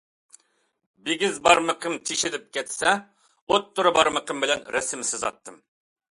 بىگىز بارمىقىم تېشىلىپ كەتسە، ئوتتۇرا بارمىقىم بىلەن رەسىم سىزاتتىم.